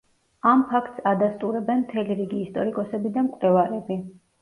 ამ ფაქტს ადასტურებენ მთელი რიგი ისტორიკოსები და მკვლევარები.